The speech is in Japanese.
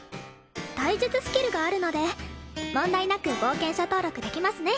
体術スキルがあるので問題なく冒険者登録できますね